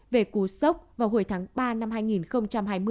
về cú sốc vào hồi tháng ba năm hai nghìn hai mươi